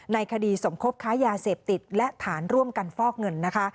ในคดีสมคบค้ายาเสพติดและฐานร่วมกันฟอกเงินนะคะ